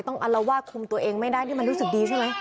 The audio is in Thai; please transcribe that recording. อารวาสคุมตัวเองไม่ได้นี่มันรู้สึกดีใช่ไหม